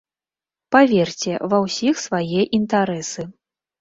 Паверце, ва ўсіх свае інтарэсы.